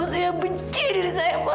saya benci diri saya